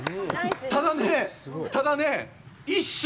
ただね、ただね、一瞬。